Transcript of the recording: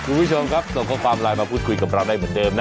คุณผู้ชมครับส่งข้อความไลน์มาพูดคุยกับเราได้เหมือนเดิมนะ